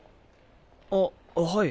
あっはい。